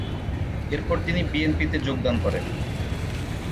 এর পর তিনি বিএনপিতে যোগদান করেন।